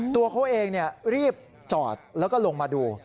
ตัวเขาเองรีบจอดแล้วก็ลงมาดู